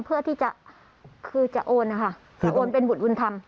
เพื่อที่จะคือจะโอนนะคะจะโอนเป็นบุตรบุญธรรม